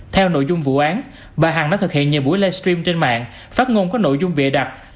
theo nội dung vụ án bà hằng đã thực hiện nhiều buổi live stream trên mạng phát ngôn có nội dung vệ đặt